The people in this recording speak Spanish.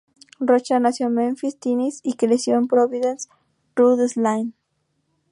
Rocha nació en Memphis, Tennesse y creció en Providence, Rhode Island.